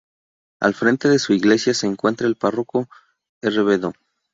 Al frente de su Iglesia se encuentra el párroco Rvdo.